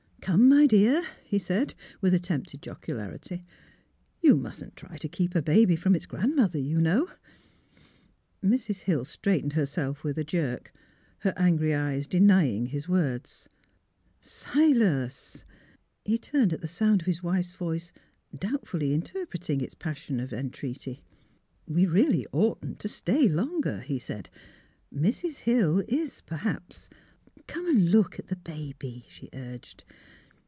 '' Come, my dear," he said, with attempted jocularity, ^' you mustn't try to keep a baby from its grandmother, you know." 290 '' UNTO US A SON IS BORN " 291 Mrs. Hill straightened herself with a jerk, her angry eyes denying his words. " Silas! " He turned at the sound of his wife's voice, doubtfully interpreting its passion of entreaty. '^ We really oughtn't to stay longer," he said. " Mrs. Hill is perhaps "" Come and look at the baby," she urged.